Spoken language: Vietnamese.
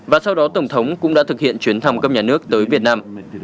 và sau đó tổng thống cũng đã thực hiện chuyến thăm cấp nhà nước tới việt nam